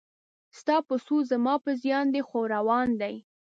ستا په سود زما په زیان دی خو روان دی.